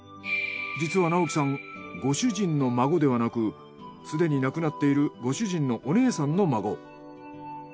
実は直樹さんご主人の孫ではなくすでに亡くなっているご主人のお姉さんの孫。